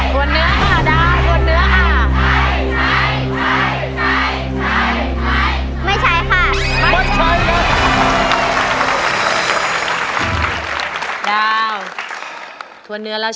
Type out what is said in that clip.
ส่วนเนื้อค่ะดาวส่วนเนื้อค่ะ